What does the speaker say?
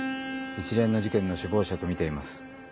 一連の事件の首謀者とみています。